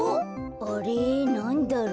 あれなんだろう？